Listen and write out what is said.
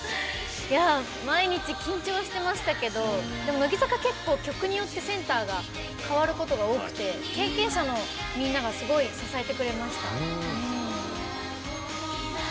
毎日緊張してましたけどでも、乃木坂、結構曲によってセンターが変わることが多くて経験者のみんなが、すごい支えてくれました。